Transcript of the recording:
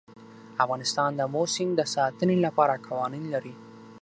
افغانستان د آمو سیند د ساتنې لپاره قوانین لري.